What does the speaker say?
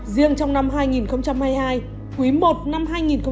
riêng trong năm hai nghìn hai mươi hai quý i năm hai nghìn hai mươi bốn